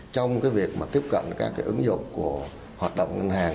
trong cái việc mà tiếp cận các cái ứng dụng của hoạt động ngân hàng